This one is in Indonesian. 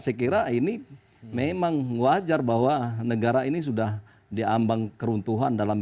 saya kira ini memang wajar bahwa negara ini sudah diambang keruntuhan dalam